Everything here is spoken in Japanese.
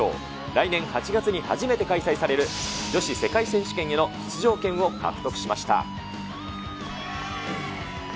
来年８月に初めて開催される女子世界選手権への出場権を獲得しました。